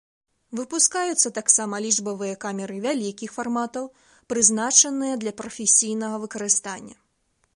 Выпускаюцца таксама лічбавыя камеры вялікіх фарматаў, прызначаныя для прафесійнага выкарыстання.